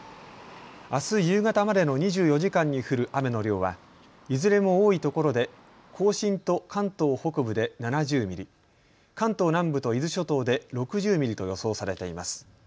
あす夕方までの２４時間に降る雨の量はいずれも多いところで甲信と関東北部で７０ミリ、関東南部と伊豆諸島で６０ミリと予想されています。